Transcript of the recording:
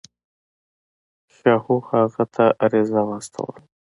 شاهو هغه ته عریضه واستوله.